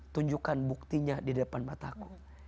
tunjukkan buktinya di depan mata aku